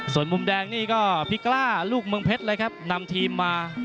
ส่วนมุมแดงนี่ก็พิกล้าลูกเมืองเพชรเลยครับนำทีมมา